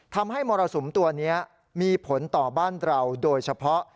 มรสุมตัวนี้มีผลต่อบ้านเราโดยเฉพาะ